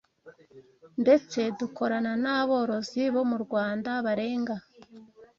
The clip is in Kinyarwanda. ndetse dukorana n’aborozi bo mu Rwanda barenga